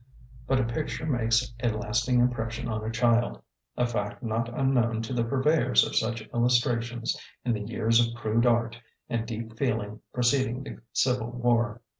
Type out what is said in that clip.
But a picture makes a lasting impression on a child,— a fact not unknown to the purveyors of such il lustrations in the years of crude art and deep feeling pre ceding the Civil War.